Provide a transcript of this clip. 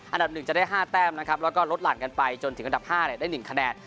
อันดับหนึ่งจะได้ห้าแต้มนะครับแล้วก็ลดหลั่นกันไปจนถึงอันดับห้าเนี่ยได้หนึ่งคะแนน